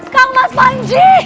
kang mas panji